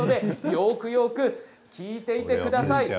よくよく聞いていてください。